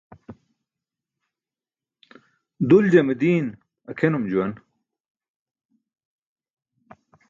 Duljame diin akʰenum juwan.